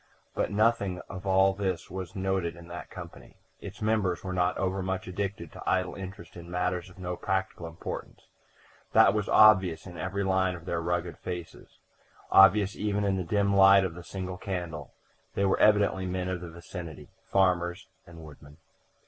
But nothing of all this was noted in that company; its members were not overmuch addicted to idle interest in matters of no practical importance; that was obvious in every line of their rugged faces obvious even in the dim light of the single candle. They were evidently men of the vicinity farmers and woodmen.